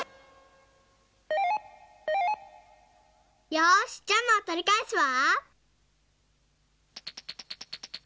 よしジャムをとりかえすわ。